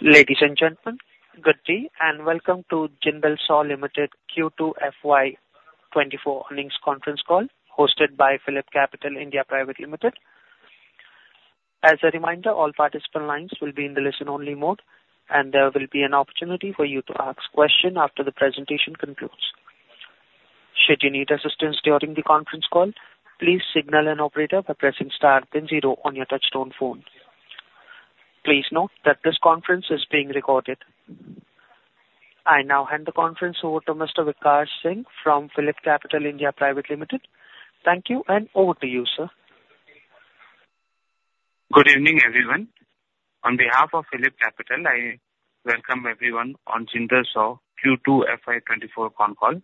Ladies and gentlemen, good day, and welcome to Jindal SAW Limited Q2 FY 2024 earnings conference call, hosted by PhillipCapital India Private Limited. As a reminder, all participant lines will be in the listen-only mode, and there will be an opportunity for you to ask questions after the presentation concludes. Should you need assistance during the conference call, please signal an operator by pressing star then zero on your touchtone phone. Please note that this conference is being recorded. I now hand the conference over to Mr. Vikash Singh from PhillipCapital India Private Limited. Thank you, and over to you, sir. Good evening, everyone. On behalf of PhillipCapital, I welcome everyone on Jindal SAW Q2 FY 2024 con call.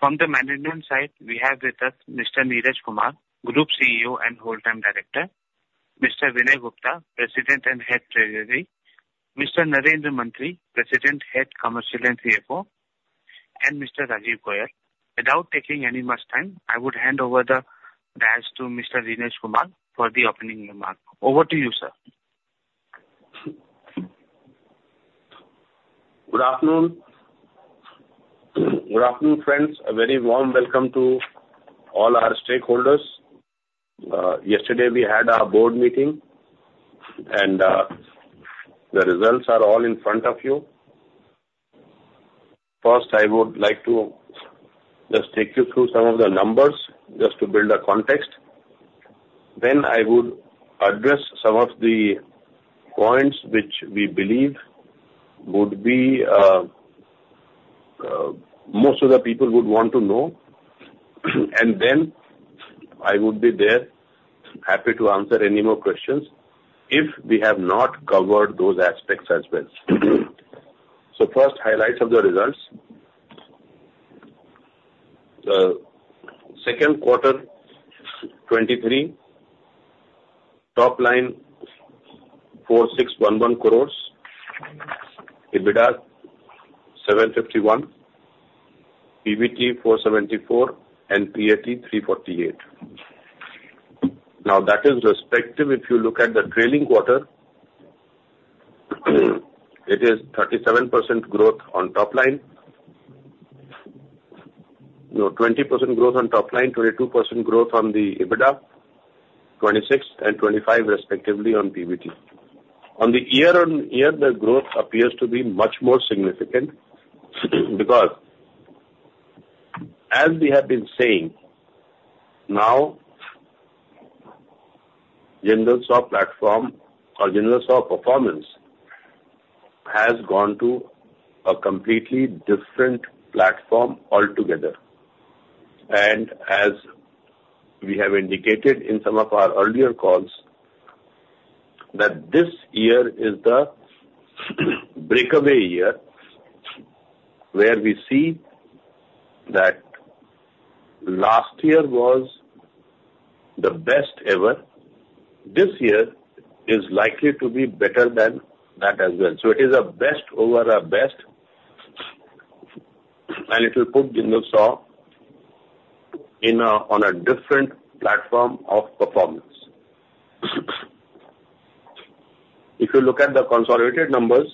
From the management side, we have with us Mr. Neeraj Kumar, Group CEO and Whole Time Director; Mr. Vinay Gupta, President and Head Treasury; Mr. Narendra Mantri, President, Head Commercial, and CFO; and Mr. Rajiv Goyal. Without taking any much time, I would hand over the reins to Mr. Neeraj Kumar for the opening remark. Over to you, sir. Good afternoon. Good afternoon, friends. A very warm welcome to all our stakeholders. Yesterday we had our board meeting, and the results are all in front of you. First, I would like to just take you through some of the numbers, just to build a context. Then I would address some of the points which we believe would be most of the people would want to know, and then I would be there, happy to answer any more questions if we have not covered those aspects as well. So first, highlights of the results. The second quarter 2023: top line 4,611 crores, EBITDA 751 crores, PBT 474 crores, and PAT 348 crores. Now, that is respective. If you look at the trailing quarter, it is 37% growth on top line. No, 20% growth on top line, 22% growth on the EBITDA, 26 and 25 respectively on PBT. On the year-on-year, the growth appears to be much more significant, because as we have been saying, now, Jindal SAW platform or Jindal SAW performance has gone to a completely different platform altogether. And as we have indicated in some of our earlier calls, that this year is the breakaway year, where we see that last year was the best ever. This year is likely to be better than that as well. So it is a best over our best, and it will put Jindal SAW in a on a different platform of performance. If you look at the consolidated numbers,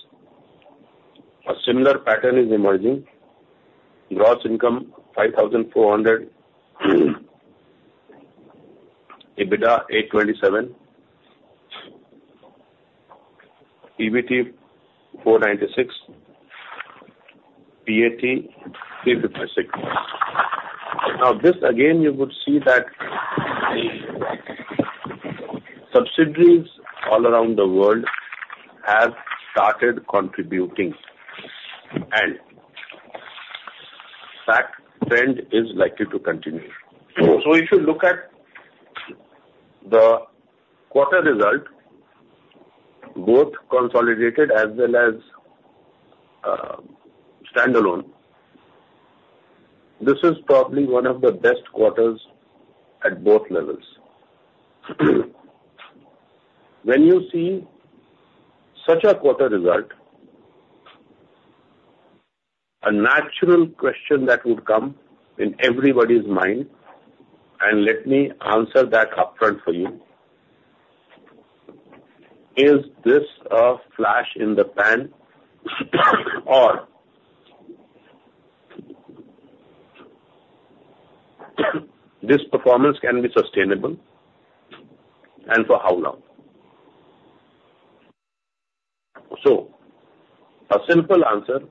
a similar pattern is emerging. Gross income, 5,400 crore. EBITDA, 827 crore PBT, 496 crore, PAT, 356 crore. Now, this, again, you would see that the subsidiaries all around the world have started contributing, and that trend is likely to continue. So if you look at the quarter result, both consolidated as well as standalone, this is probably one of the best quarters at both levels. When you see such a quarter result, a natural question that would come in everybody's mind, and let me answer that upfront for you: Is this a flash in the pan, or this performance can be sustainable, and for how long? So a simple answer: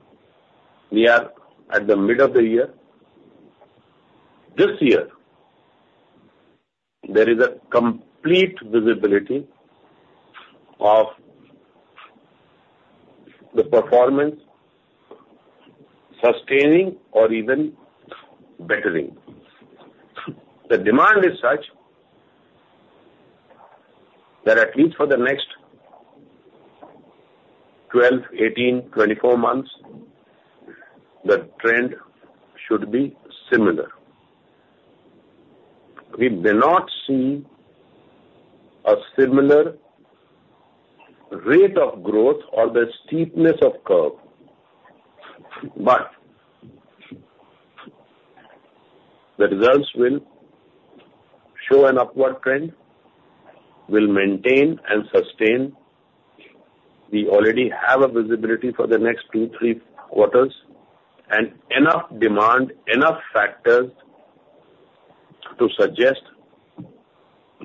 We are at the mid of the year. This year, there is a complete visibility of the performance sustaining or even bettering. The demand is such that at least for the next 12, 18, 24 months, the trend should be similar. We may not see a similar rate of growth or the steepness of curve, but-... The results will show an upward trend, will maintain and sustain. We already have a visibility for the next two, three quarters, and enough demand, enough factors to suggest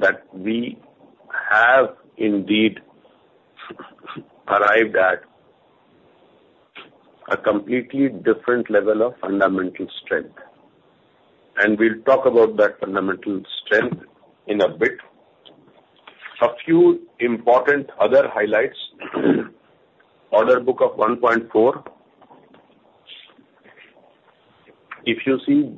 that we have indeed arrived at a completely different level of fundamental strength, and we'll talk about that fundamental strength in a bit. A few important other highlights: order book of $1.4 billion If you see,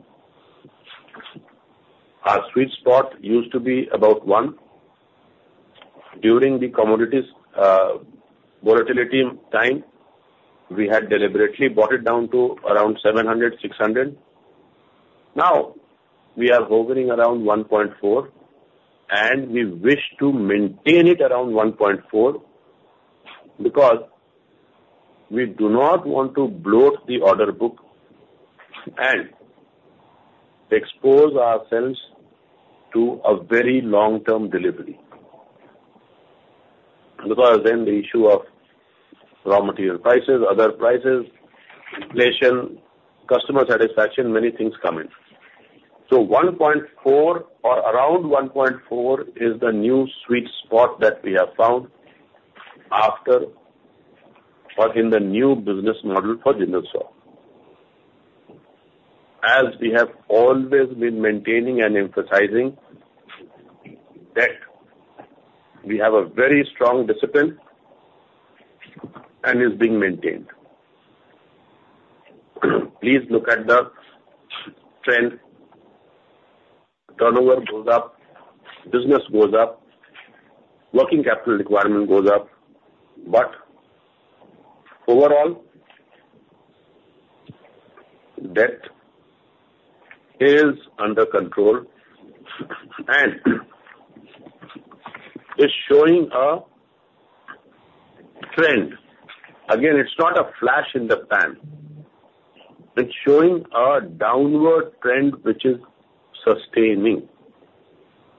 our sweet spot used to be about 1 crore. building the commodities volatility time, we had deliberately brought it down to around 700, 600. Now, we are hovering around $1.4 billion, and we wish to maintain it around $1.4 billion, because we do not want to bloat the order book and expose ourselves to a very long-term delivery. Because then the issue of raw material prices, other prices, inflation, customer satisfaction, many things come in. So $1.4 billion or around $1.4 billion is the new sweet spot that we have found or in the new business model for Jindal SAW. As we have always been maintaining and emphasizing, debt, we have a very strong discipline and is being maintained. Please look at the trend. Turnover goes up, business goes up, working capital requirement goes up, but overall, debt is under control and is showing a trend. Again, it's not a flash in the pan. It's showing a downward trend which is sustaining,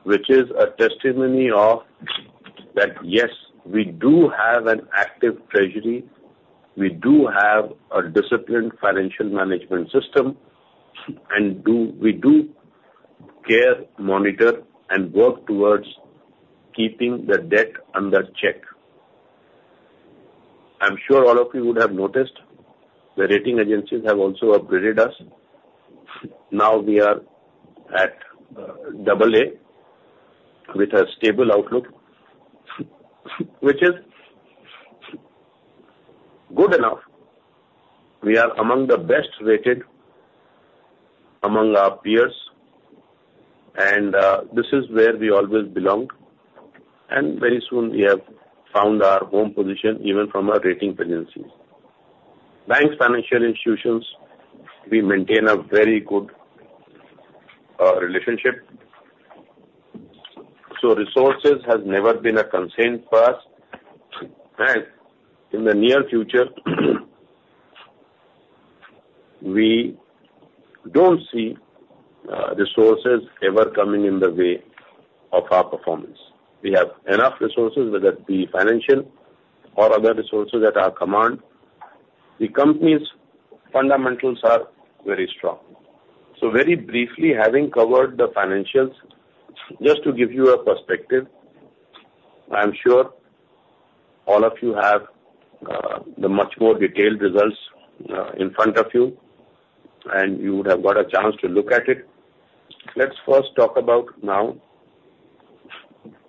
which is a testimony of that, yes, we do have an active treasury, we do have a disciplined financial management system, and we do care, monitor, and work towards keeping the debt under check. I'm sure all of you would have noticed the rating agencies have also upgraded us. Now we are at, AA with a stable outlook, which is good enough. We are among the best-rated among our peers, and, this is where we always belonged, and very soon we have found our home position, even from a rating agencies. Banks, financial institutions, we maintain a very good, relationship, so resources has never been a constraint for us, and in the near future, we don't see, resources ever coming in the way of our performance. We have enough resources, whether it be financial or other resources at our command. The company's fundamentals are very strong. So very briefly, having covered the financials, just to give you a perspective, I am sure all of you have, the much more detailed results, in front of you, and you would have got a chance to look at it. Let's first talk about now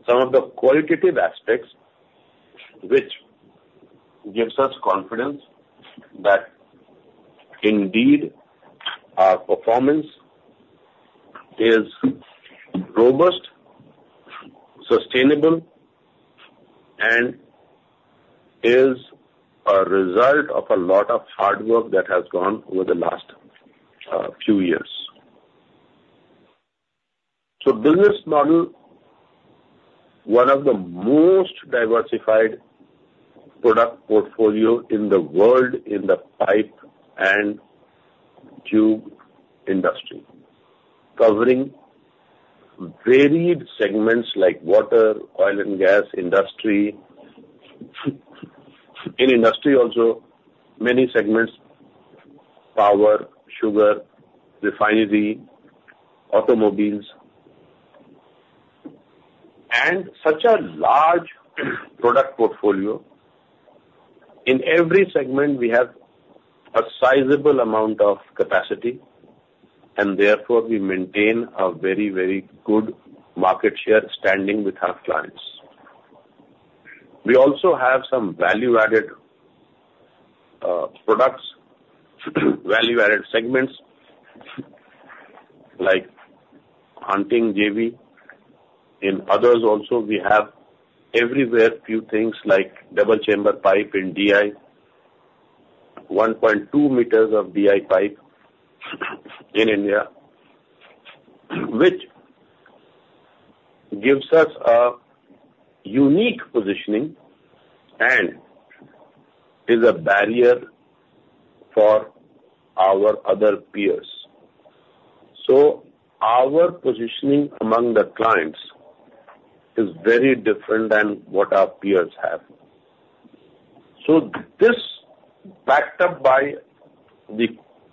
some of the qualitative aspects, which gives us confidence that indeed, our performance is robust, sustainable, and is a result of a lot of hard work that has gone over the last, few years. So business model, one of the most diversified product portfolio in the world, in the pipe and tube industry, covering varied segments like water, oil and gas industry. In industry also, many segments: power, sugar, refinery, automobiles. And such a large product portfolio, in every segment, we have a sizable amount of capacity, and therefore, we maintain a very, very good market share standing with our clients. We also have some value-added, products, value-added segments, like Hunting JV. In others also, we have everywhere few things like double chamber pipe in DI, 1.2 meters of DI pipe in India, which-... gives us a unique positioning and is a barrier for our other peers. So our positioning among the clients is very different than what our peers have. So this, backed up by the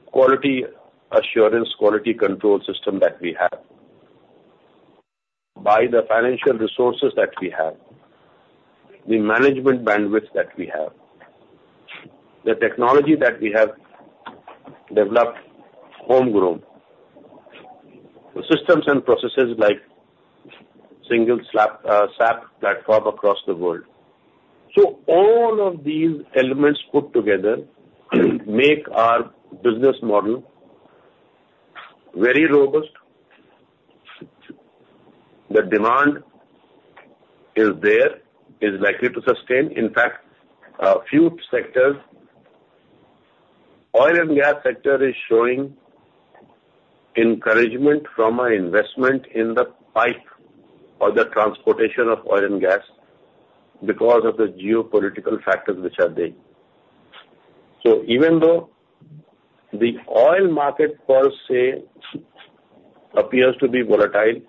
quality assurance, quality control system that we have, by the financial resources that we have, the management bandwidth that we have, the technology that we have developed homegrown, the systems and processes like single SAP, SAP platform across the world. So all of these elements put together make our business model very robust. The demand is there, is likely to sustain. In fact, a few sectors: oil and gas sector is showing encouragement from our investment in the pipe or the transportation of oil and gas because of the geopolitical factors which are there. So even though the oil market per se appears to be volatile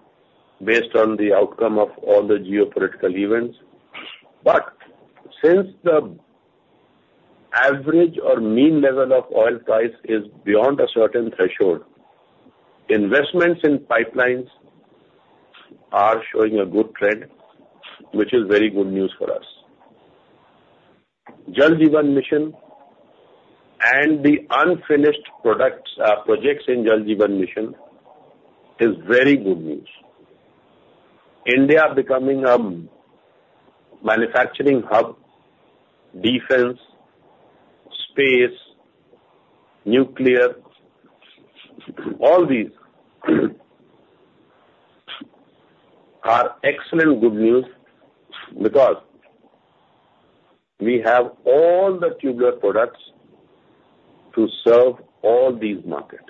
based on the outcome of all the geopolitical events, but since the average or mean level of oil price is beyond a certain threshold, investments in pipelines are showing a good trend, which is very good news for us. Jal Jeevan Mission and the unfinished products, projects in Jal Jeevan Mission is very good news. India becoming a manufacturing hub, defense, space, nuclear, all these are excellent good news because we have all the tubular products to serve all these market.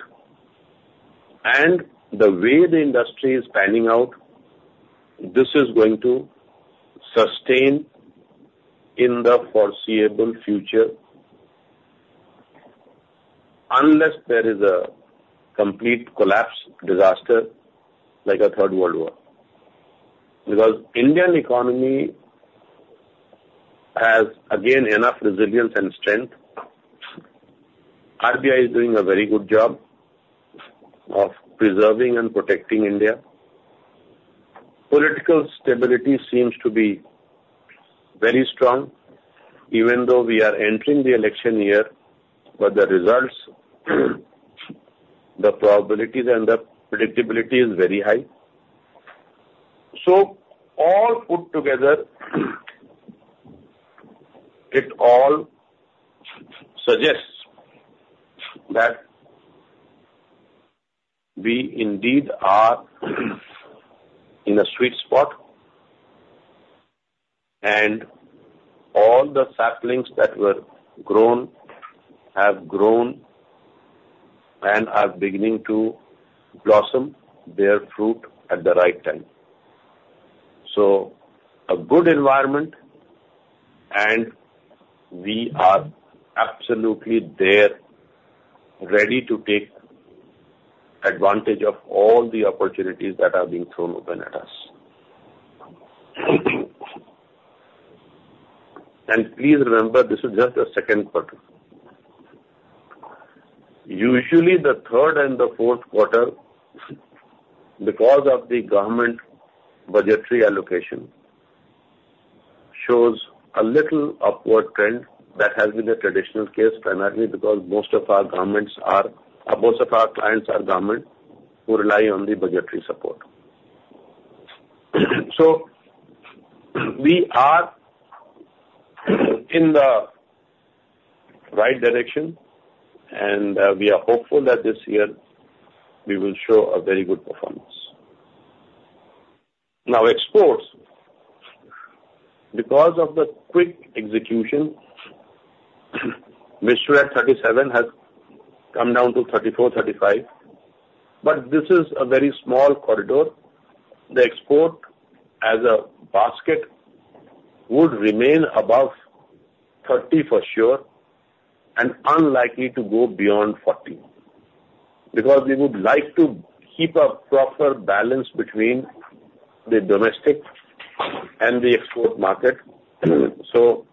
And the way the industry is panning out, this is going to sustain in the foreseeable future, unless there is a complete collapse disaster, like a third World War. Because Indian economy has, again, enough resilience and strength. RBI is doing a very good job of preserving and protecting India. Political stability seems to be very strong, even though we are entering the election year, but the results, the probabilities and the predictability is very high. All put together, it all suggests that we indeed are in a sweet spot, and all the saplings that were grown, have grown and are beginning to blossom, bear fruit at the right time. A good environment, and we are absolutely there, ready to take advantage of all the opportunities that are being thrown open at us. Please remember, this is just a second quarter. Usually, the third and the fourth quarter, because of the government budgetary allocation, shows a little upward trend. That has been the traditional case, primarily because most of our governments are—most of our clients are government, who rely on the budgetary support. So we are in the right direction, and we are hopeful that this year we will show a very good performance. Now, exports. Because of the quick execution, mixture at 37 has come down to 34, 35, but this is a very small corridor. The export as a basket would remain above 30 for sure, and unlikely to go beyond 40, because we would like to keep a proper balance between the domestic and the export market. So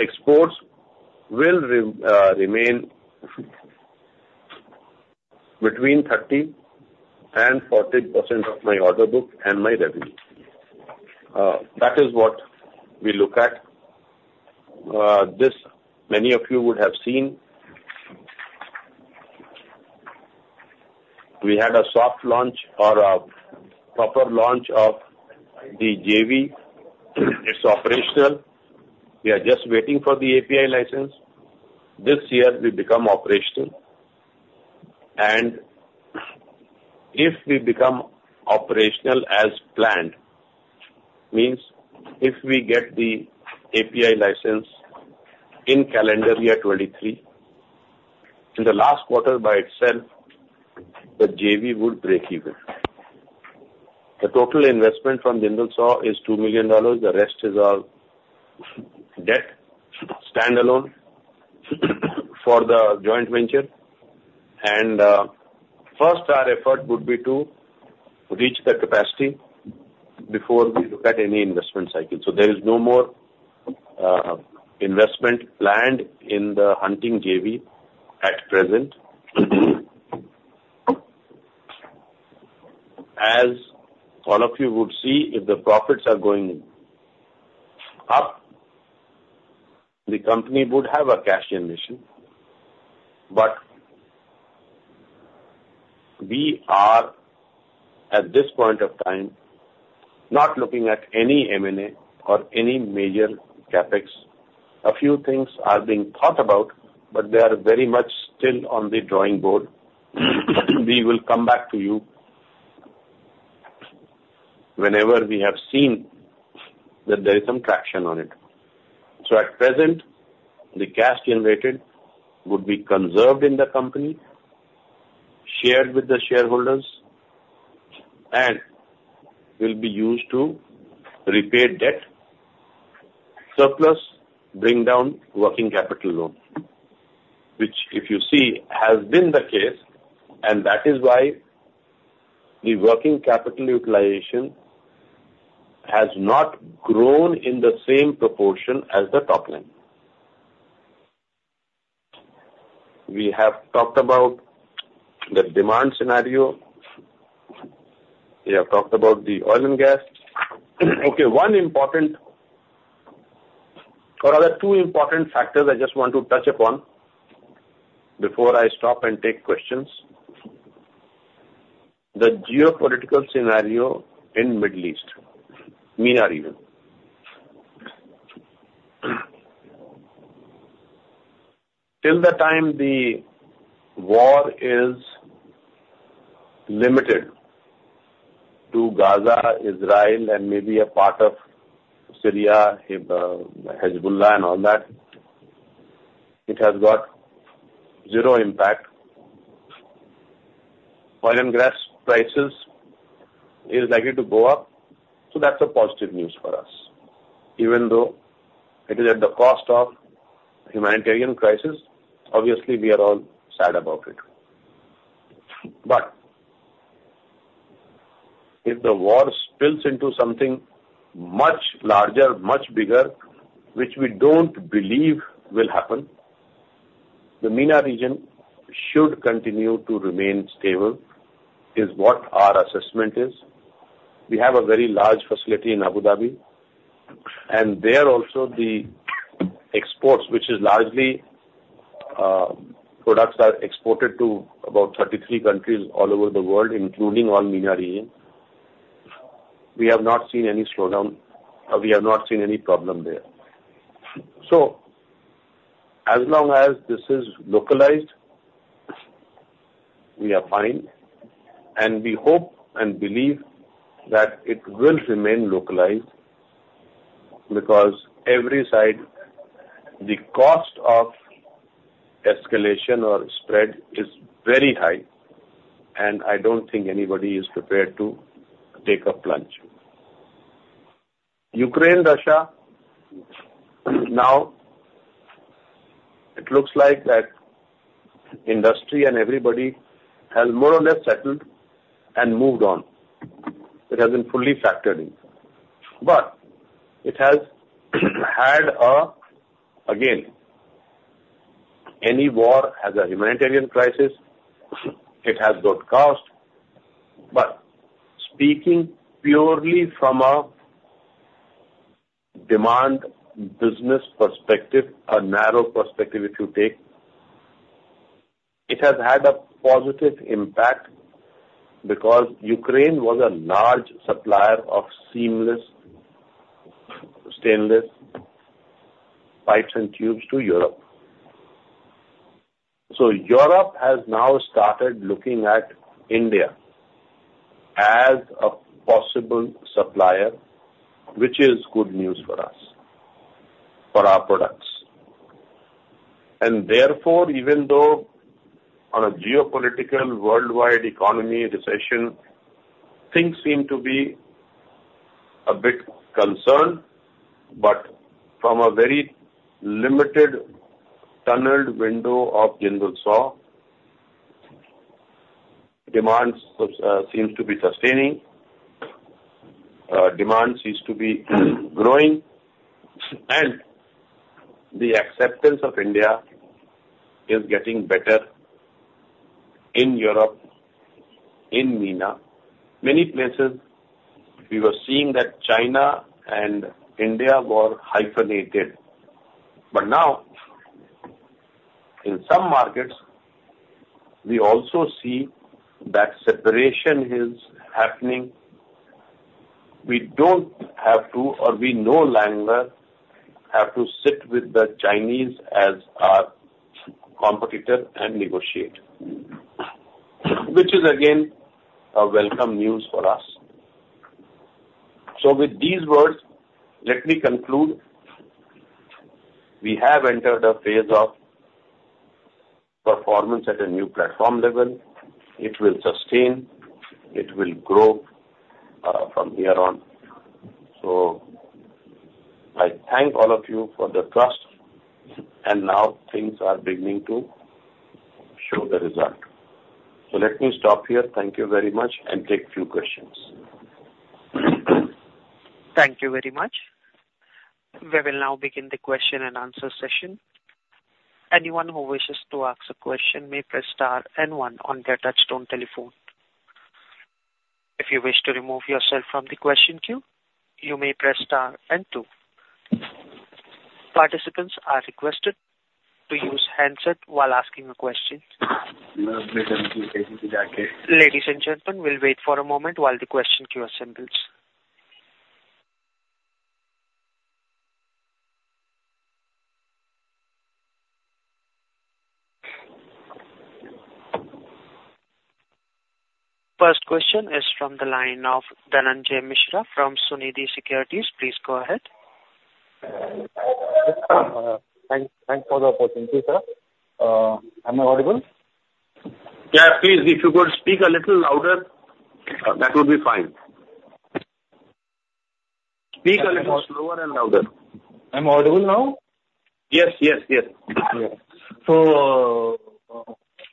exports will re remain between 30% and 40% of my order book and my revenue. That is what we look at. This, many of you would have seen. We had a soft launch or a proper launch of the JV. It's operational. We are just waiting for the API license. This year, we become operational. If we become operational as planned, means if we get the API license in calendar year 2023. In the last quarter by itself, the JV would break even. The total investment from Jindal SAW is $2 million, the rest is all debt, standalone, for the joint venture. First, our effort would be to reach the capacity before we look at any investment cycle. There is no more investment planned in the Hunting JV at present. As all of you would see, if the profits are going up, the company would have a cash generation. But we are, at this point of time, not looking at any M&A or any major CapEx. A few things are being thought about, but they are very much still on the drawing board. We will come back to you whenever we have seen that there is some traction on it. So at present, the cash generated would be conserved in the company, shared with the shareholders, and will be used to repay debt, surplus bring down working capital loan. Which, if you see, has been the case, and that is why the working capital utilization has not grown in the same proportion as the top line. We have talked about the demand scenario, we have talked about the oil and gas. Okay, one important- or rather, two important factors I just want to touch upon before I stop and take questions: The geopolitical scenario in Middle East, MENA region. Till the time the war is limited to Gaza, Israel, and maybe a part of Syria, Hezbollah and all that, it has got zero impact. Oil and gas prices is likely to go up, so that's a positive news for us. Even though it is at the cost of humanitarian crisis, obviously, we are all sad about it. But if the war spills into something much larger, much bigger, which we don't believe will happen, the MENA region should continue to remain stable, is what our assessment is. We have a very large facility in Abu Dhabi, and there also the exports, which is largely, products are exported to about 33 countries all over the world, including all MENA region. We have not seen any slowdown, we have not seen any problem there. So as long as this is localized, we are fine, and we hope and believe that it will remain localized, because every side, the cost of escalation or spread is very high, and I don't think anybody is prepared to take a plunge. Ukraine, Russia, now it looks like that industry and everybody has more or less settled and moved on. It has been fully factored in. But it has had a... Again, any war has a humanitarian crisis, it has got cost. But speaking purely from a demand business perspective, a narrow perspective, if you take, it has had a positive impact because Ukraine was a large supplier of seamless stainless pipes and tubes to Europe. So Europe has now started looking at India as a possible supplier, which is good news for us, for our products. And therefore, even though on a geopolitical, worldwide economy, recession, things seem to be a bit concerned, but from a very limited tunneled window of Jindal SAW, demands, seems to be sustaining, demand seems to be growing, and the acceptance of India is getting better in Europe, in MENA. Many places, we were seeing that China and India were hyphenated, but now, in some markets, we also see that separation is happening. We don't have to, or we no longer have to sit with the Chinese as our competitor and negotiate... which is again, a welcome news for us. So with these words, let me conclude. We have entered a phase of performance at a new platform level. It will sustain, it will grow, from here on. So I thank all of you for the trust, and now things are beginning to show the result. Let me stop here. Thank you very much, and take few questions. Thank you very much. We will now begin the question and answer session. Anyone who wishes to ask a question may press star and one on their touchtone telephone. If you wish to remove yourself from the question queue, you may press star and two. Participants are requested to use handset while asking a question. Ladies and gentlemen, we'll wait for a moment while the question queue assembles. First question is from the line of Dhananjay Mishra from Sunidhi Securities. Please go ahead. Thanks for the opportunity, sir. Am I audible? Yeah, please, if you could speak a little louder, that would be fine. Speak a little slower and louder. I'm audible now? Yes, yes, yes.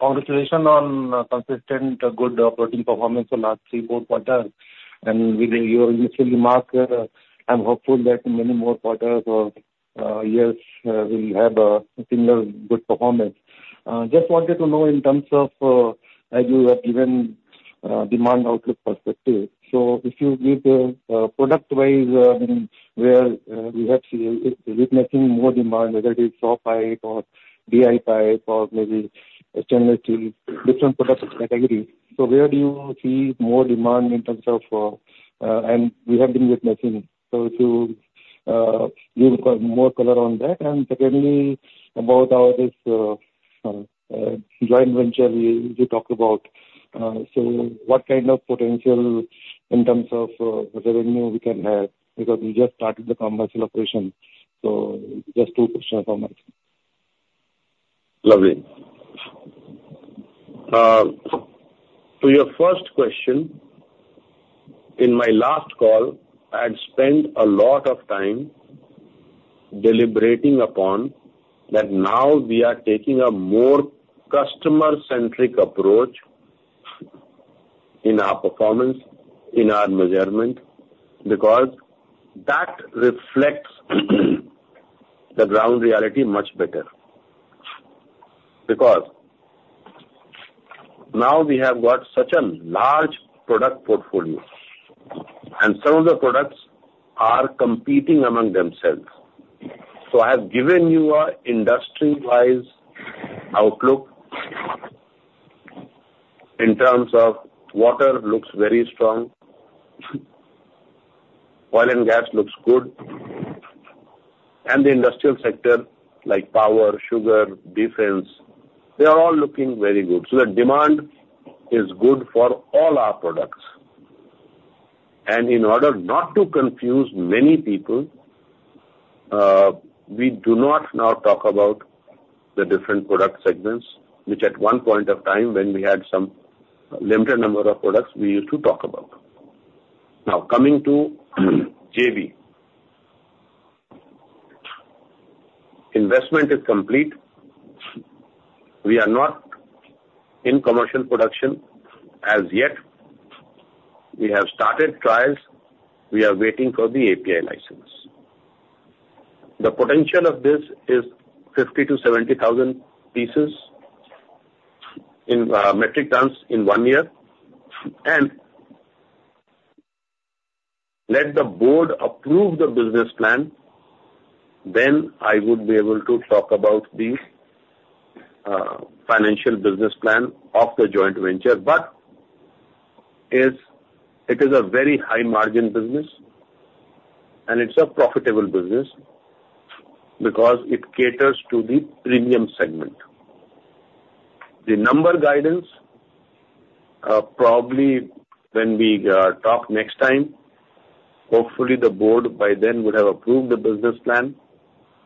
Congratulations on consistent good operating performance for last 3-4 quarters. With your recent mark, I'm hopeful that many more quarters or years will have a similar good performance. Just wanted to know in terms of, as you have given, demand outlook perspective. If you give, product-wise, I mean, where we have seen with making more demand, whether it's SAW pipes or DI pipes or maybe generative different product category. So where do you see more demand in terms of - and we have been with making. If you give more color on that. And secondly, about our this joint venture we talked about. So what kind of potential in terms of revenue we can have, because we just started the commercial operation. Just two questions for me. Lovely. To your first question, in my last call, I had spent a lot of time deliberating upon that now we are taking a more customer-centric approach in our performance, in our measurement, because that reflects the ground reality much better. Because now we have got such a large product portfolio, and some of the products are competing among themselves. So I have given you a industry-wise outlook in terms of water looks very strong, oil and gas looks good, and the industrial sector, like power, sugar, defense, they are all looking very good. So the demand is good for all our products. And in order not to confuse many people, we do not now talk about the different product segments, which at one point of time, when we had some limited number of products, we used to talk about. Now, coming to JV. Investment is complete. We are not in commercial production as yet. We have started trials. We are waiting for the API license. The potential of this is 50-70,000 pieces in metric tons in one year. And let the board approve the business plan, then I would be able to talk about the financial business plan of the joint venture. But it's, it is a very high margin business, and it's a profitable business because it caters to the premium segment. The number guidance probably when we talk next time, hopefully the board by then would have approved the business plan,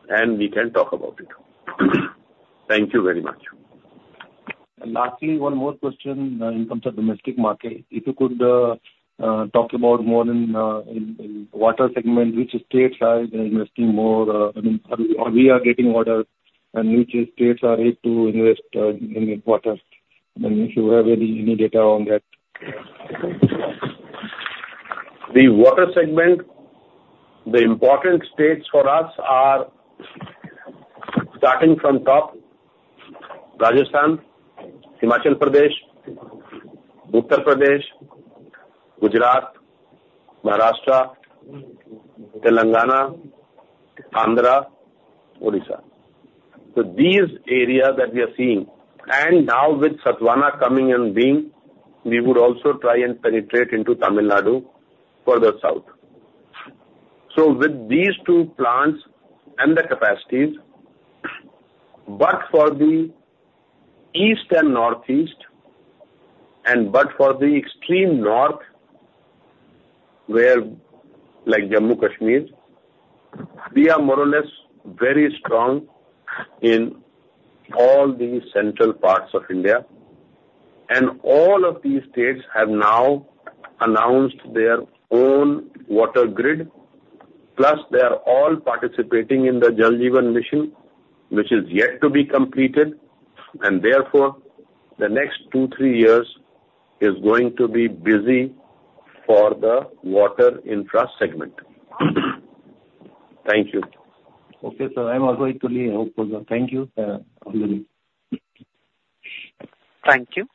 and we can talk about it. Thank you very much. Lastly, one more question, in terms of domestic market. If you could talk about more in water segment, which states are investing more, I mean, are we getting water, and which states are yet to invest in water? If you have any data on that. The water segment, the important states for us are, starting from top, Rajasthan, Himachal Pradesh, Uttar Pradesh, Gujarat, Maharashtra, Telangana, Andhra, Odisha. So these areas that we are seeing, and now with Sathavahana coming and being, we would also try and penetrate into Tamil Nadu, further south. So with these two plants and the capacities, but for the east and northeast, and but for the extreme north, where like Jammu and Kashmir, we are more or less very strong in all the central parts of India. And all of these states have now announced their own water grid, plus they are all participating in the Jal Jeevan Mission, which is yet to be completed, and therefore, the next 2-3 years is going to be busy for the water infra segment. Thank you. Okay, sir. I'm also going to leave hopefully. Thank you, have a good day. Thank you.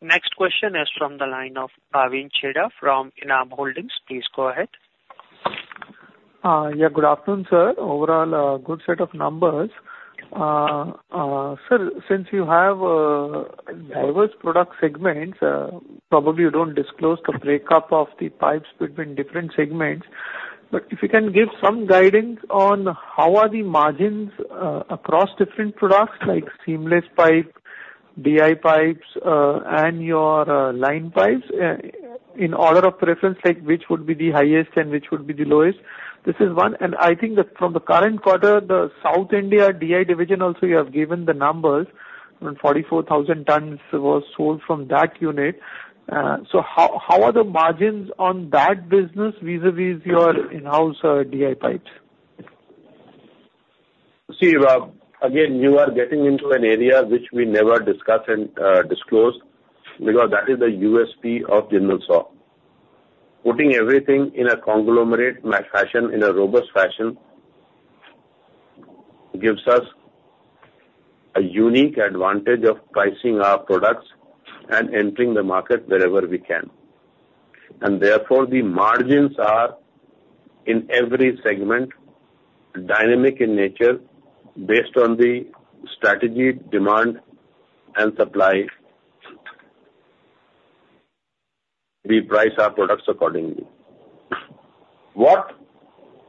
Next question is from the line of Bhavin Chheda from Enam Holdings. Please go ahead. Yeah, good afternoon, sir. Overall, a good set of numbers. Sir, since you have diverse product segments, probably you don't disclose the breakup of the pipes between different segments. But if you can give some guidance on how are the margins across different products, like seamless pipe, DI pipes, and your line pipes, in order of preference, like, which would be the highest and which would be the lowest? This is one. And I think that from the current quarter, the South India DI division also, you have given the numbers, and 44,000 tons was sold from that unit. So how are the margins on that business vis-a-vis your in-house DI pipes? See, Rob, again, you are getting into an area which we never discuss and disclose, because that is the USP of Jindal SAW. Putting everything in a conglomerate fashion, in a robust fashion, gives us a unique advantage of pricing our products and entering the market wherever we can. And therefore, the margins are, in every segment, dynamic in nature, based on the strategy, demand, and supply. We price our products accordingly. What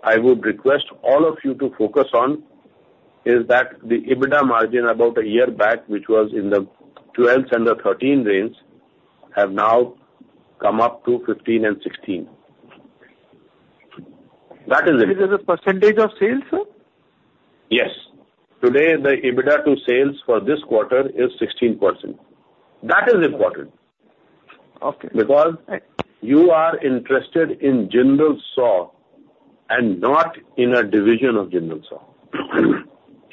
I would request all of you to focus on is that the EBITDA margin about a year back, which was in the 12s and the 13 range, have now come up to 15 and 16. That is it. This is a percentage of sales, sir? Yes. Today, the EBITDA to sales for this quarter is 16%. That is important- Okay. -because you are interested in Jindal SAW, and not in a division of Jindal SAW.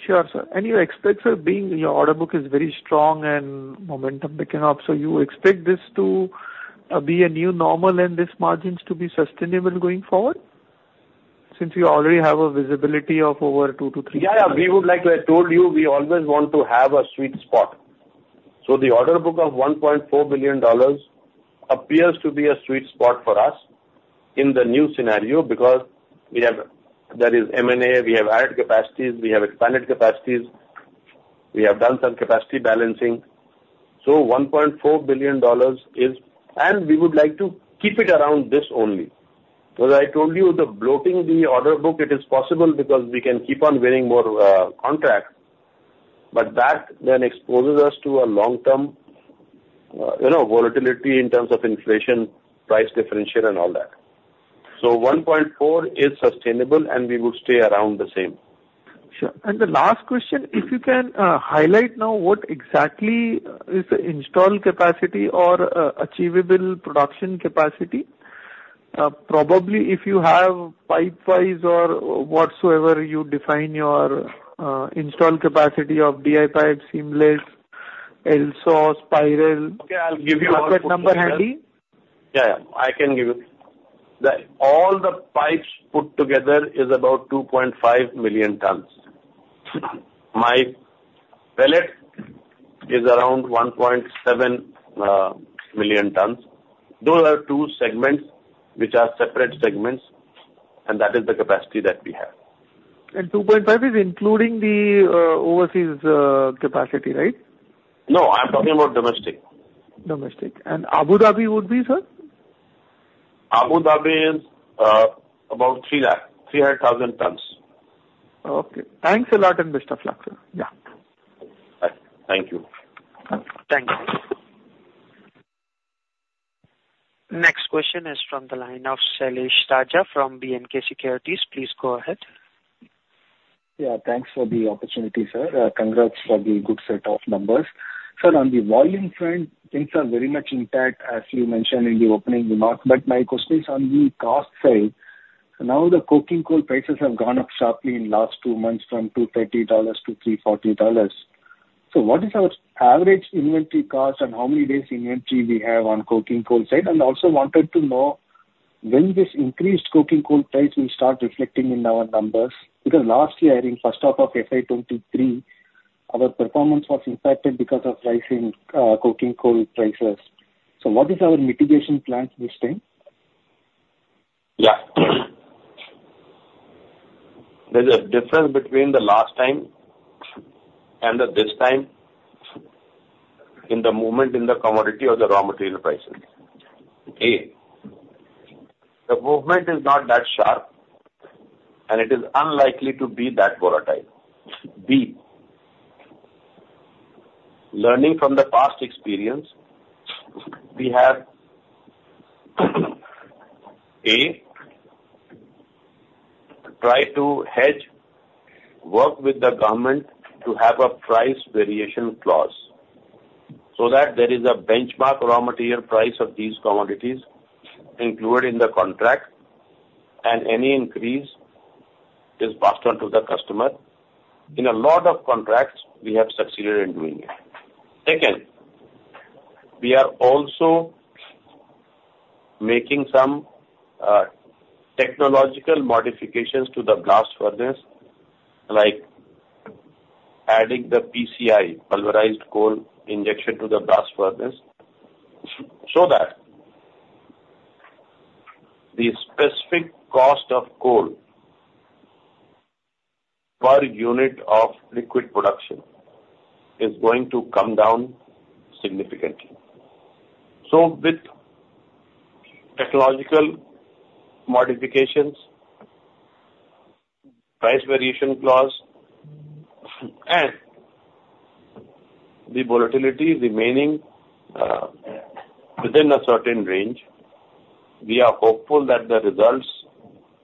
Sure, sir. You expect, sir, being your order book is very strong and momentum picking up, so you expect this to be a new normal and these margins to be sustainable going forward? Since you already have a visibility of over 2-3 years. Yeah, yeah. We would like to have told you, we always want to have a sweet spot. So the order book of $1.4 billion appears to be a sweet spot for us in the new scenario, because we have, there is M&A, we have added capacities, we have expanded capacities, we have done some capacity balancing. So $1.4 billion is... And we would like to keep it around this only. Because I told you, the bloating the order book, it is possible because we can keep on winning more contracts, but that then exposes us to a long-term, you know, olatility in terms of inflation, price differential and all that. So $1.4 billion is sustainable, and we would stay around the same. Sure. And the last question, if you can, highlight now what exactly is the installed capacity or, achievable production capacity? Probably if you have pipe-wise or whatsoever you define your, installed capacity of DI pipes, seamless, LSAW, spiral- Okay, I'll give you- You have that number handy? Yeah, yeah. I can give you. The all the pipes put together is about 2.5 million tons. My pellet is around 1.7 million tons. Those are two segments, which are separate segments, and that is the capacity that we have. 2.5 is including the overseas capacity, right? No, I'm talking about domestic. Domestic. And Abu Dhabi would be, sir? Abu Dhabi is about 3,300,000 tons. Okay. Thanks a lot, and best of luck, sir. Yeah. Thank you. Thank you. Next question is from the line of Sailesh Raja from B&K Securities. Please go ahead. Yeah, thanks for the opportunity, sir. Congrats for the good set of numbers. Sir, on the volume front, things are very much intact, as you mentioned in the opening remarks. But my question is on the cost side. Now, the coking coal prices have gone up sharply in last two months from $230-$340. So what is our average inventory cost and how many days inventory we have on coking coal side? And I also wanted to know when this increased coking coal price will start reflecting in our numbers? Because last year, I think, first half of FY 2023, our performance was impacted because of rise in coking coal prices. So what is our mitigation plan this time? Yeah. There's a difference between the last time and the this time, in the movement in the commodity or the raw material prices. A, the movement is not that sharp, and it is unlikely to be that volatile. B, learning from the past experience, we have A, tried to hedge, work with the government to have a price variation clause, so that there is a benchmark raw material price of these commodities included in the contract, and any increase is passed on to the customer. In a lot of contracts, we have succeeded in doing it. Second, we are also making some technological modifications to the blast furnace, like adding the PCI, pulverized coal injection, to the blast furnace, so that the specific cost of coal per unit of liquid production is going to come down significantly. So with technological modifications, price variation clause, and the volatility remaining, within a certain range, we are hopeful that the results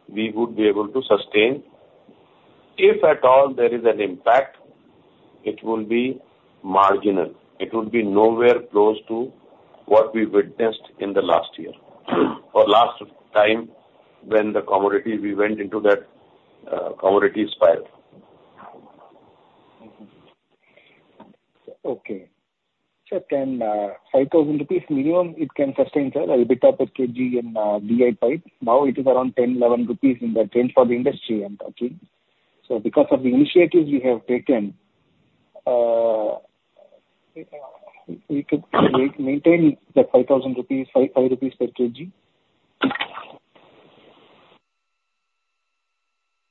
we would be able to sustain. If at all, there is an impact, it will be marginal. It would be nowhere close to what we witnessed in the last year, or last time when the commodity, we went into that, commodity spiral. Okay. So, can 5,000 rupees minimum, it can sustain, sir, EBITDA per kg in VIP. Now, it is around 10-11 rupees in the trend for the industry I'm talking. So because of the initiatives you have taken, we could maintain the 5,000 rupees, 5.5 rupees per kg?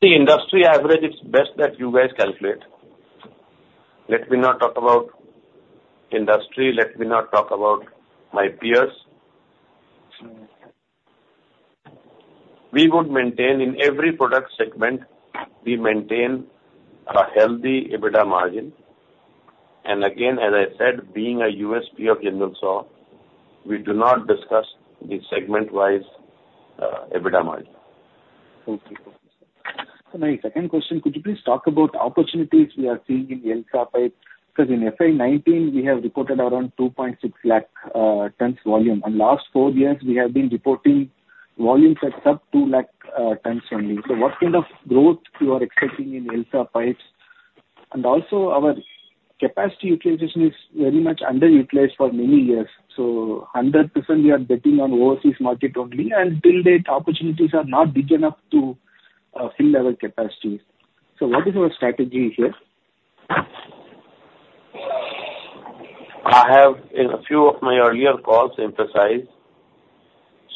The industry average, it's best that you guys calculate. Let me not talk about industry, let me not talk about my peers. We would maintain... In every product segment, we maintain a healthy EBITDA margin. And again, as I said, being a USP of Jindal Saw, we do not discuss the segment-wise EBITDA margin. Okay. So my second question, could you please talk about opportunities we are seeing in LSAW Pipes? Because in FY 2019, we have reported around 2.6 lakh tons volume, and last four years we have been reporting volumes at sub 2 lakh tons only. So what kind of growth you are expecting in LSAW Pipes? And also, our capacity utilization is very much underutilized for many years, so 100% we are betting on overseas market only, and till date, opportunities are not big enough to, fill our capacity. So what is our strategy here? I have, in a few of my earlier calls, emphasized,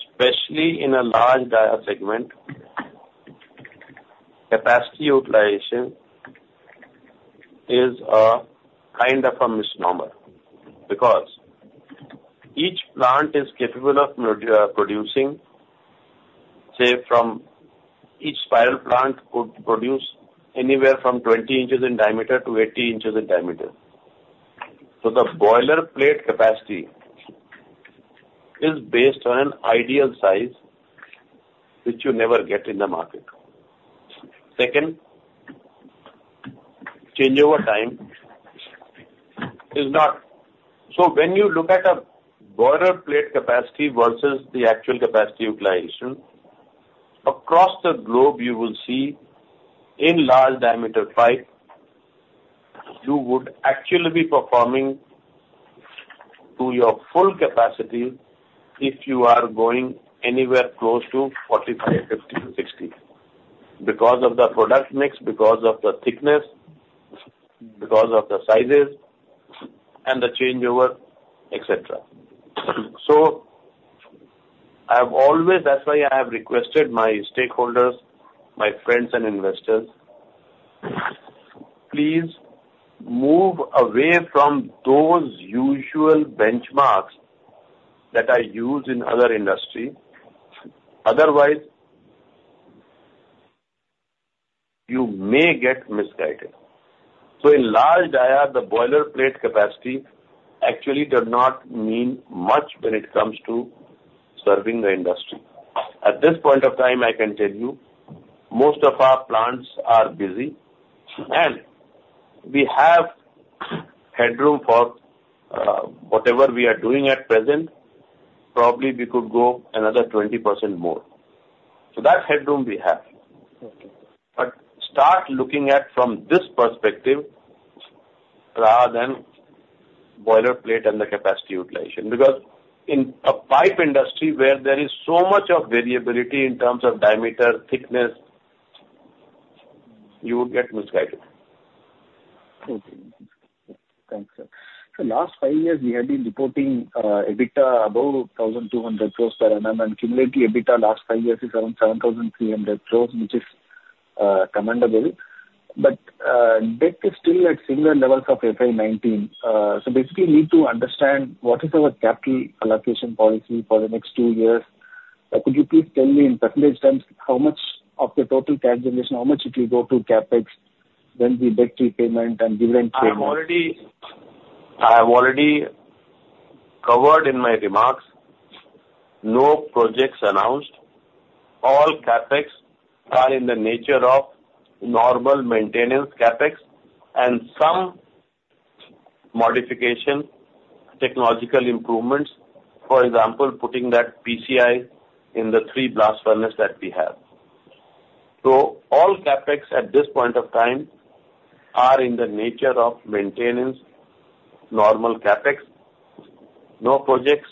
especially in a large DI segment, capacity utilization is a kind of a misnomer. Because each plant is capable of producing, say, from each spiral plant could produce anywhere from 20 inches in diameter to 80 inches in diameter. So the boiler plate capacity is based on an ideal size, which you never get in the market. Second, changeover time is not-- So when you look at a boiler plate capacity versus the actual capacity utilization, across the globe, you will see in large diameter pipe, you would actually be performing to your full capacity if you are going anywhere close to 45, 50, or 60. Because of the product mix, because of the thickness, because of the sizes, and the changeover, et cetera. So I have always... That's why I have requested my stakeholders, my friends and investors, please move away from those usual benchmarks that are used in other industry, otherwise, you may get misguided. So in large DI, the boiler plate capacity actually does not mean much when it comes to serving the industry. At this point of time, I can tell you, most of our plants are busy, and we have headroom for, whatever we are doing at present, probably we could go another 20% more. So that headroom we have. Okay. But start looking at from this perspective, rather than boiler plate and the capacity utilization. Because in a pipe industry where there is so much of variability in terms of diameter, thickness, you would get misguided. ... Okay. Thanks, sir. So last five years, we have been reporting, EBITDA above 1,200 crore per annum, and cumulatively, EBITDA last five years is around 7,300 crore, which is, commendable. But, debt is still at similar levels of FY 2019. So basically, we need to understand what is our capital allocation policy for the next two years. Could you please tell me in percentage terms, how much of the total cash generation, how much it will go to CapEx, then the debt repayment and dividend payment? I have already, I have already covered in my remarks. No projects announced. All CapEx are in the nature of normal maintenance CapEx and some modification, technological improvements. For example, putting that PCI in the three blast furnace that we have. So all CapEx at this point of time are in the nature of maintenance, normal CapEx, no projects,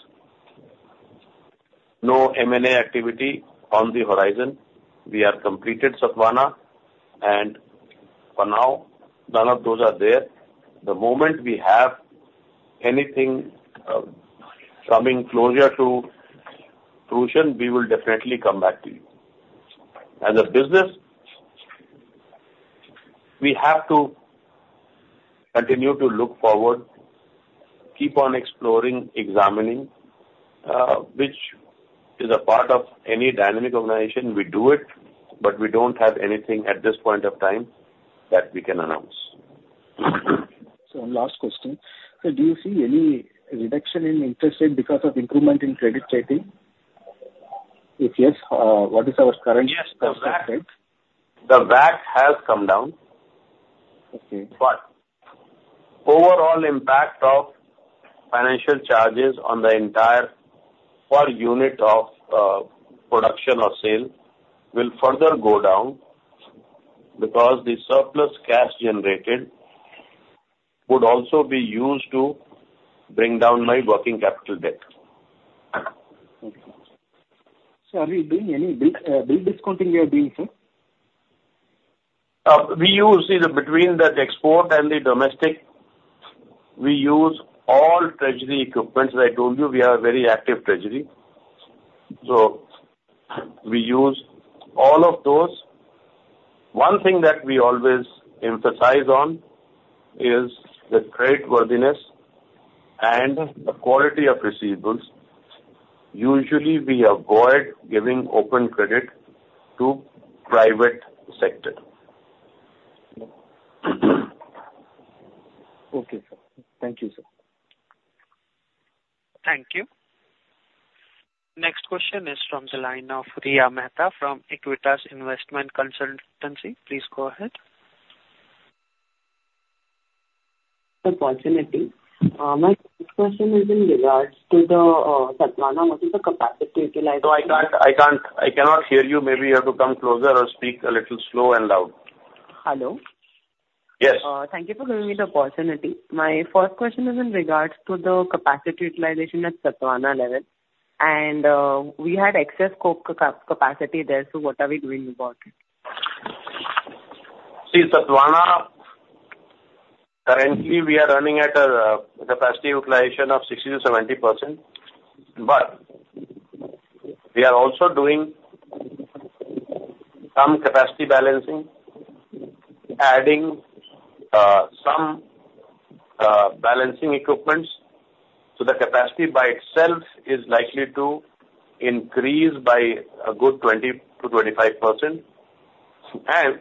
no M&A activity on the horizon. We have completed Sathavahana, and for now, none of those are there. The moment we have anything coming closer to fruition, we will definitely come back to you. As a business, we have to continue to look forward, keep on exploring, examining, which is a part of any dynamic organization. We do it, but we don't have anything at this point of time that we can announce. So one last question: Sir, do you see any reduction in interest rate because of improvement in credit rating? If yes, what is our current interest rate? Yes, the WAC, the WAC has come down. Okay. But overall impact of financial charges on the entire per unit of production or sale will further go down, because the surplus cash generated would also be used to bring down my working capital debt. Thank you. Sir, are you doing any bill discounting you are doing, sir? We use either between the export and the domestic, we use all treasury equipments. As I told you, we are a very active treasury, so we use all of those. One thing that we always emphasize on is the creditworthiness and the quality of receivables. Usually, we avoid giving open credit to private sector. Okay, sir. Thank you, sir. Thank you. Next question is from the line of Riya Mehta from Aequitas Investment Consultancy. Please go ahead. Good morning. My first question is in regards to the Sathavahana. What is the capacity utilization- No, I can't, I can't-- I cannot hear you. Maybe you have to come closer or speak a little slow and loud. Hello? Yes. Thank you for giving me the opportunity. My first question is in regards to the capacity utilization at Sathavahana level, and we had excess coke capacity there, so what are we doing about it? See, Sathavahana, currently we are running at a capacity utilization of 60%-70%, but we are also doing some capacity balancing, adding some balancing equipment. So the capacity by itself is likely to increase by a good 20%-25%, and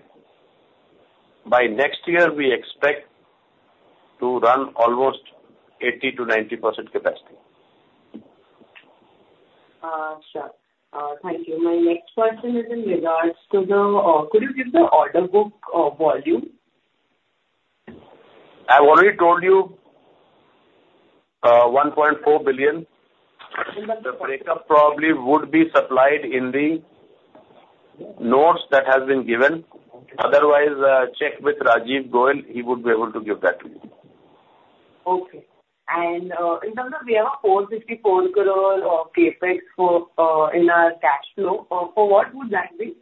by next year, we expect to run almost 80%-90% capacity. Sure. Thank you. My next question is in regards to the, could you give the order book, volume? I've already told you,$1.4 billion. 1.4- The breakup probably would be supplied in the notes that has been given. Okay. Otherwise, check with Rajiv Goyal, he would be able to give that to you. Okay. And, in terms of we have 454 crore of CapEx for, in our cash flow. For what would that be?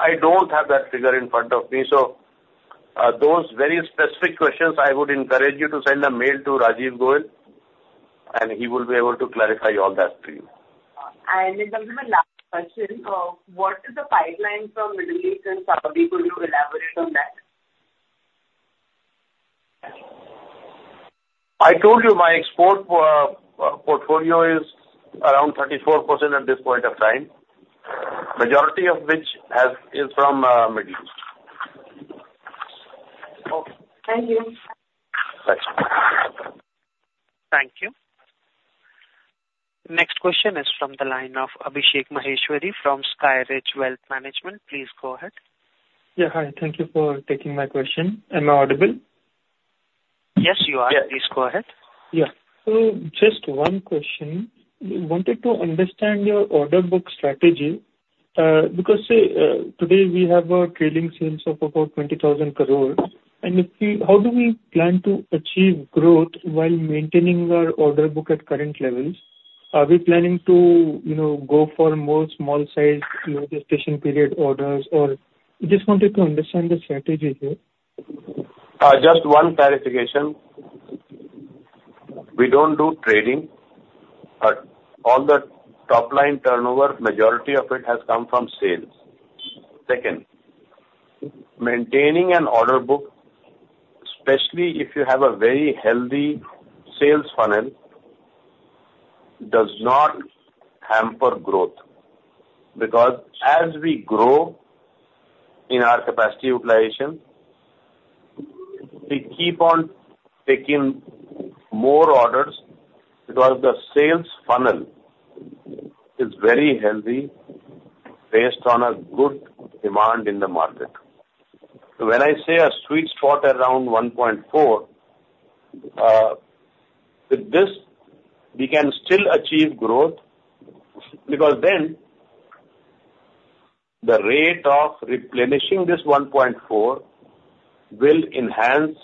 I don't have that figure in front of me. So, those very specific questions, I would encourage you to send an email to Rajiv Goyal, and he will be able to clarify all that to you. In terms of the last question, what is the pipeline from Middle East and Saudi? Could you elaborate on that? I told you my export portfolio is around 34% at this point of time, majority of which is from Middle East. Okay. Thank you. Thanks. Thank you. Next question is from the line of Abhishek Maheshwari from SkyRidge Wealth Management. Please go ahead. Yeah, hi. Thank you for taking my question. Am I audible? Yes, you are. Yeah. Please go ahead. Yeah. So just one question. We wanted to understand your order book strategy, because, say, today we have trailing sales of about 20,000 crore, and if we... How do we plan to achieve growth while maintaining our order book at current levels?... Are we planning to, you know, go for more small size, low gestation period orders, or? I just wanted to understand the strategy here. Just one clarification. We don't do trading, but all the top line turnover, majority of it has come from sales. Second, maintaining an order book, especially if you have a very healthy sales funnel, does not hamper growth. Because as we grow in our capacity utilization, we keep on taking more orders, because the sales funnel is very healthy based on a good demand in the market. So when I say a sweet spot around $1.4 billion, with this, we can still achieve growth, because then the rate of replenishing this $1.4 billion will enhance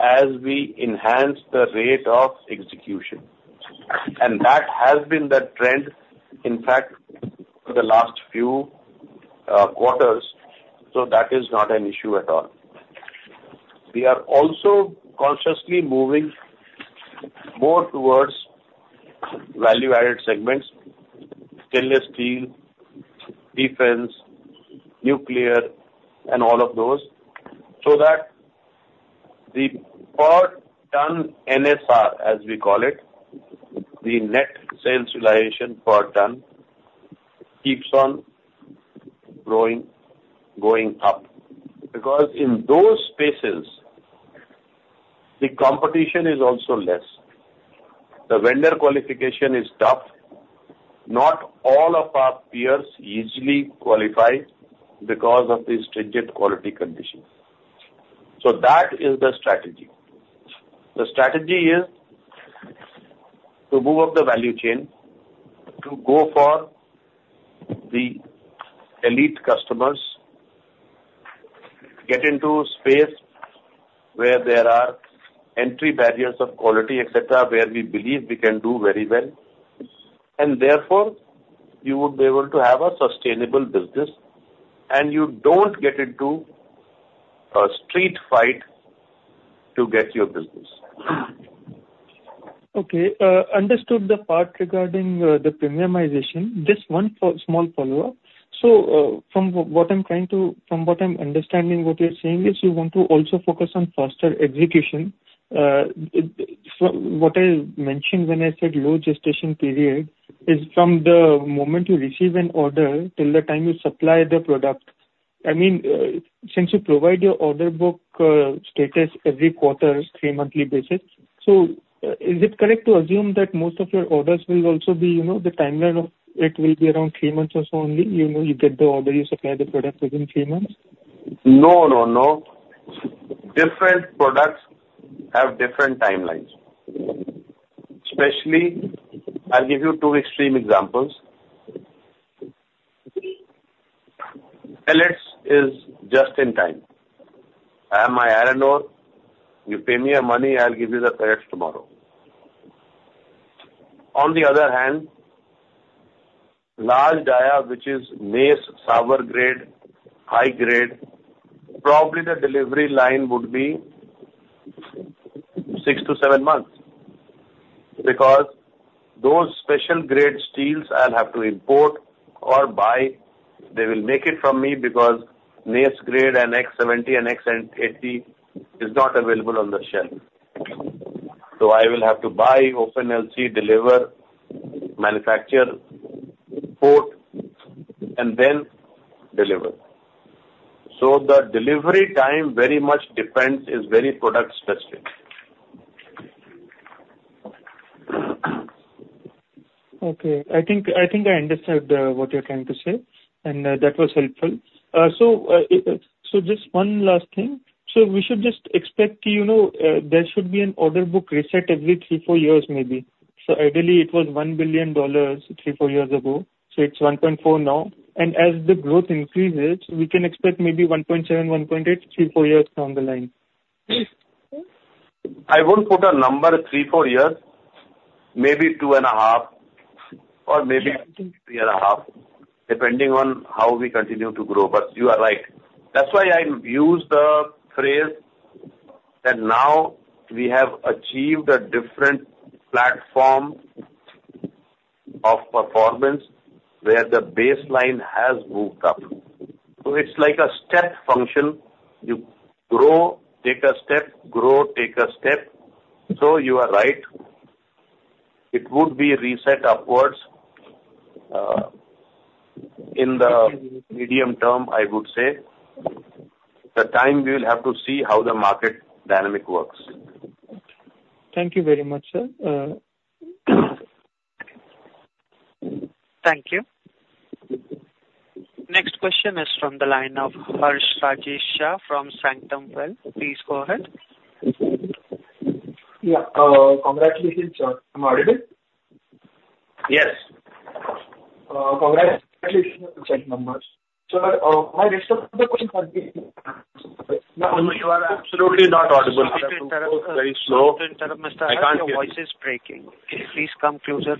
as we enhance the rate of execution. And that has been the trend, in fact, for the last few, quarters, so that is not an issue at all. We are also consciously moving more towards value-added segments, stainless steel, defense, nuclear, and all of those, so that the per ton NSR, as we call it, the net sales realization per ton, keeps on growing, going up. Because in those spaces, the competition is also less. The vendor qualification is tough. Not all of our peers easily qualify because of the stringent quality conditions. So that is the strategy. The strategy is to move up the value chain, to go for the elite customers, get into space where there are entry barriers of quality, et cetera, where we believe we can do very well, and therefore, you would be able to have a sustainable business, and you don't get into a street fight to get your business. Okay, understood the part regarding the premiumization. Just one small follow-up. So, from what I'm trying to... From what I'm understanding, what you're saying is you want to also focus on faster execution. So what I mentioned when I said low gestation period is from the moment you receive an order till the time you supply the product. I mean, since you provide your order book status every quarter, three monthly basis, so is it correct to assume that most of your orders will also be, you know, the timeline of it will be around three months or so only? You know, you get the order, you supply the product within three months? No, no, no. Different products have different timelines. Especially, I'll give you two extreme examples. Pellets is just in time. I have my iron ore, you pay me your money, I'll give you the pellets tomorrow. On the other hand, large DI, which is NACE, sour grade, high grade, probably the delivery line would be 6-7 months. Because those special grade steels, I'll have to import or buy. They will make it from me because NACE grade N80, X80 is not available on the shelf. So I will have to buy, open LC, deliver, manufacture, port, and then deliver. So the delivery time very much depends, is very product specific. Okay. I think, I think I understood what you're trying to say, and that was helpful. So just one last thing. So we should just expect, you know, there should be an order book reset every 3-4 years, maybe. So ideally it was $1 billion 3-4 years ago, so it's $1.4 billion now. And as the growth increases, we can expect maybe 1.7, 1.8, 3-4 years down the line. I won't put a number 3-4 years, maybe 2.5, or maybe 3.5, depending on how we continue to grow. But you are right. That's why I use the phrase, that now we have achieved a different platform of performance, where the baseline has moved up. So it's like a step function. You grow, take a step, grow, take a step. So you are right, it would be reset upwards, in the medium term, I would say. The time we will have to see how the market dynamic works. Thank you very much, sir. Thank you. Next question is from the line of Harsh Rajesh Shah from Sanctum Wealth. Please go ahead. Yeah, congratulations, sir. Am I audible? Yes.... numbers. My next question- No, no, you are absolutely not audible. Very slow. Mr. Harsh, your voice is breaking. Please come closer.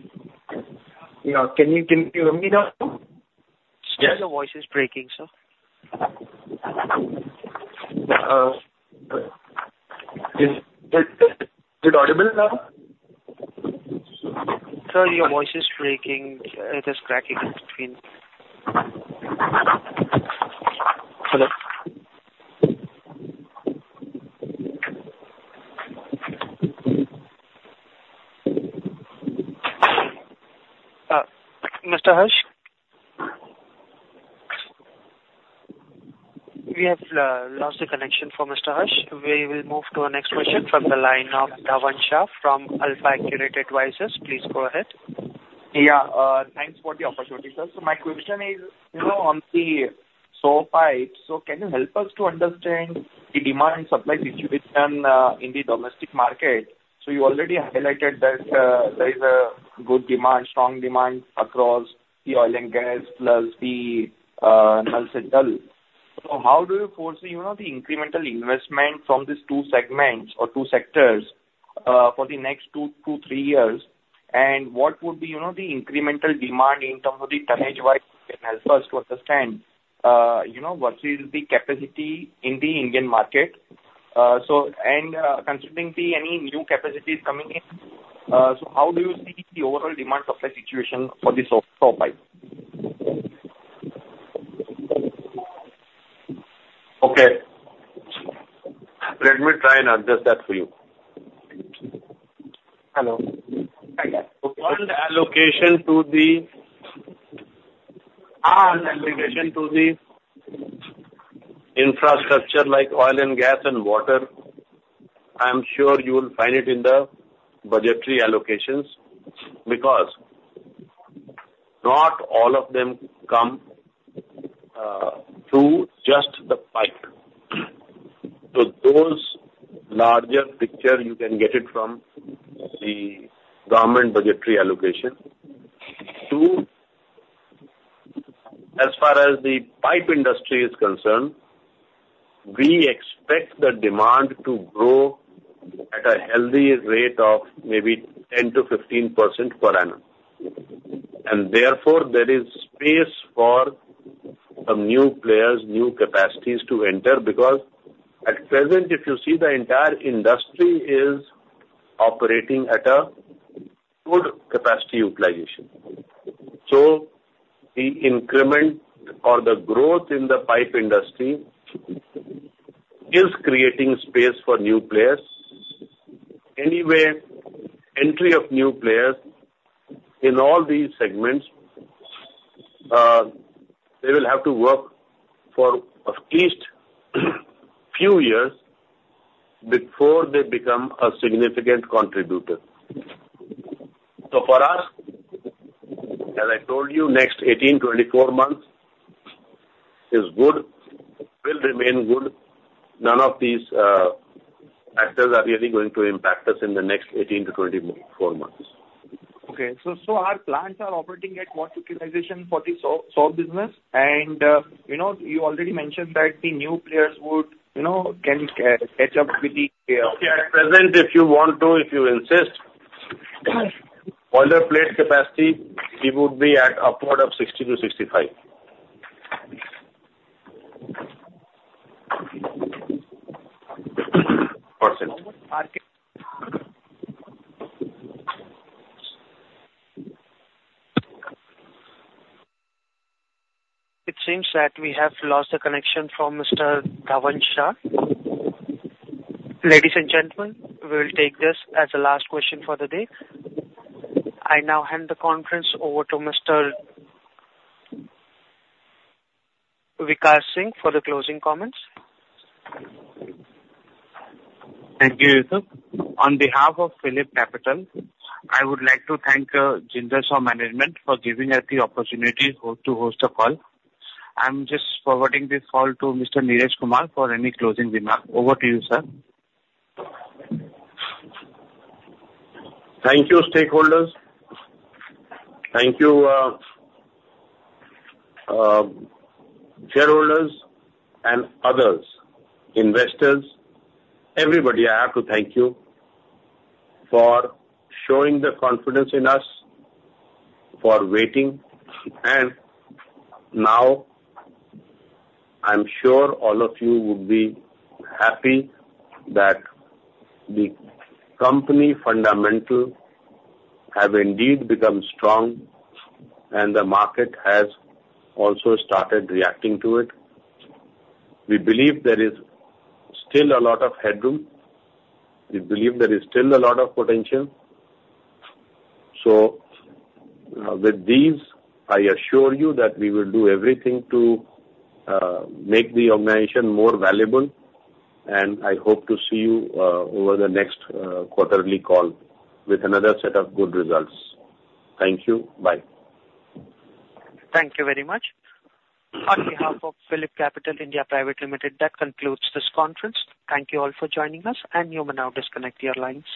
Yeah. Can you, can you hear me now? Still your voice is breaking, sir. Is it audible now? Sir, your voice is breaking. It is cracking in between. Hello? Mr. Harsh? We have lost the connection for Mr. Harsh. We will move to our next question from the line of Dhavan Shah from AlfAccurate Advisors. Please go ahead. Yeah. Thanks for the opportunity, sir. So my question is, you know, on the SAW pipes, so can you help us to understand the demand supply situation in the domestic market? So you already highlighted that there is a good demand, strong demand across the oil and gas, plus the central. So how do you foresee, you know, the incremental investment from these two segments or two sectors for the next two to three years? And what would be, you know, the incremental demand in terms of the tonnage-wise? Help us to understand, you know, what is the capacity in the Indian market. So and considering the any new capacities coming in, so how do you see the overall demand supply situation for the SAW, SAW pipes? Okay. Let me try and address that for you. Hello? One allocation to the infrastructure like oil and gas and water. I'm sure you will find it in the budgetary allocations, because not all of them come through just the pipe. So those larger picture, you can get it from the government budgetary allocation. Two, as far as the pipe industry is concerned, we expect the demand to grow at a healthy rate of maybe 10%-15% per annum. And therefore, there is space for some new players, new capacities to enter, because at present, if you see the entire industry is operating at a good capacity utilization. So the increment or the growth in the pipe industry is creating space for new players. Anyway, entry of new players in all these segments, they will have to work for at least few years before they become a significant contributor. For us, as I told you, next 18-24 months is good, will remain good. None of these factors are really going to impact us in the next 18-24 months. Okay. So our plants are operating at what utilization for the SAW, SAW business? And you know, you already mentioned that the new players would, you know, can catch up with the... At present, if you want to, if you insist, boiler plate capacity, we would be at upward of 60-65%... It seems that we have lost the connection from Mr. Dhavan Shah. Ladies and gentlemen, we'll take this as the last question for the day. I now hand the conference over to Mr. Vikas Singh for the closing comments. Thank you, sir. On behalf of PhillipCapital, I would like to thank, Jindal SAW management for giving us the opportunity to host the call. I'm just forwarding this call to Mr. Neeraj Kumar for any closing remarks. Over to you, sir. Thank you, stakeholders. Thank you, shareholders and others, investors. Everybody, I have to thank you for showing the confidence in us, for waiting, and now, I'm sure all of you would be happy that the company fundamental have indeed become strong, and the market has also started reacting to it. We believe there is still a lot of headroom. We believe there is still a lot of potential. So with these, I assure you that we will do everything to make the organization more valuable, and I hope to see you over the next quarterly call with another set of good results. Thank you. Bye. Thank you very much. On behalf of PhillipCapital (India) Private Limited, that concludes this conference. Thank you all for joining us, and you may now disconnect your lines.